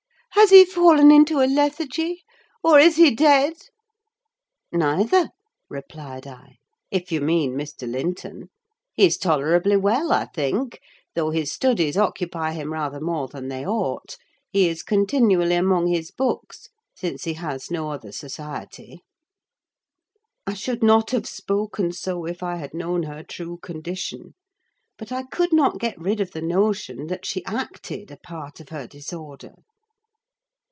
"Has he fallen into a lethargy, or is he dead?" "Neither," replied I; "if you mean Mr. Linton. He's tolerably well, I think, though his studies occupy him rather more than they ought: he is continually among his books, since he has no other society." I should not have spoken so if I had known her true condition, but I could not get rid of the notion that she acted a part of her disorder.